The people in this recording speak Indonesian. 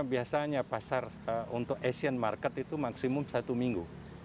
biasanya pasar untuk asian market itu maksimum satu minggu